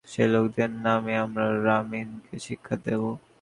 সেই লোকদের নামে আমরা রামিনকে শিক্ষা দেব।